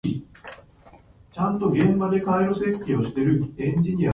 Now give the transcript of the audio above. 数学は難しい